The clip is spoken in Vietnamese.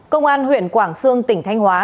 công an huyện quảng sương tỉnh thanh hóa